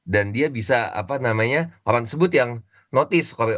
dia bisa apa namanya orang sebut yang notice